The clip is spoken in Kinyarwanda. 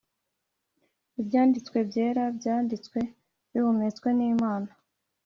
Ibyanditswe byera byanditswe bihumetswe nimana